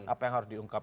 apa yang harus diungkap